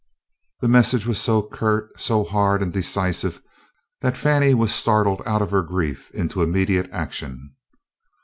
The message was so curt, so hard and decisive, that Fannie was startled out of her grief into immediate action.